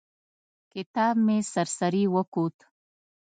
کتاب مې سر سري وکوت.